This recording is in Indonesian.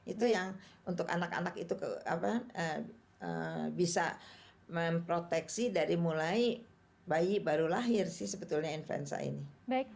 itu yang untuk anak anak itu bisa memproteksi dari mulai bayi baru lahir sih sebetulnya influenza ini